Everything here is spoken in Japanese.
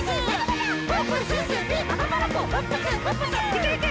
「いけいけ！」